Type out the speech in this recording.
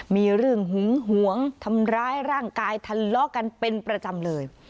มีเรื่องหึงหวงทำร้ายร่างกายทะเลาะกันเป็นประจำเลย